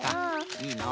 いいのう。